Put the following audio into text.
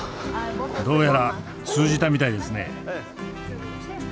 どうやら通じたみたいですね。